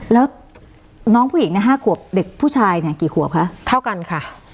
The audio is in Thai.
แล้วน้องผู้หญิงใน๕ขวบเด็กผู้ชายเนี่ยกี่ขวบคะเท่ากันค่ะ